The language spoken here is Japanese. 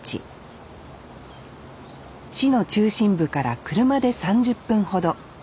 市の中心部から車で３０分ほど。